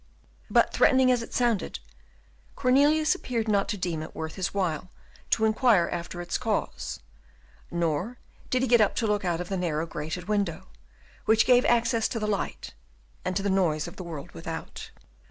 But, threatening as it sounded, Cornelius appeared not to deem it worth his while to inquire after its cause; nor did he get up to look out of the narrow grated window, which gave access to the light and to the noise of the world without.